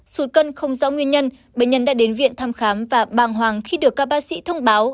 sụn cân không rõ nguyên nhân bệnh nhân đã đến viện thăm khám và bàng hoàng khi được các bác sĩ thông báo